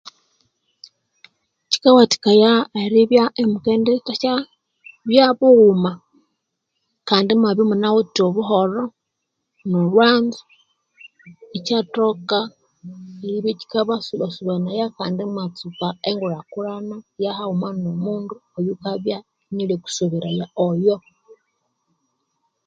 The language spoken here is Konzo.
Kikawathikaya eribya imukendithasyabya bughuma kandi imwabya imunawithe obuholho no'lhwanzo ikyathoka eribya ekikabasubasubanaya imwathoka eritsuka e gulhakulhana kandi havhuma no'mundu oyukabya inyalyakusoberaya oyo